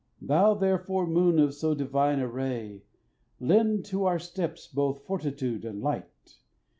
Thou therefore, moon of so divine a ray, Lend to our steps both fortitude and light!